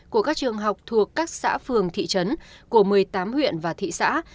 của các trường học thuộc các xã phường thị trấn của một mươi tám huyện và thị xã